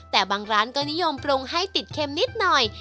แต่บางร้านก็นิยมปรุงให้ติดเค็มนิดหน่อย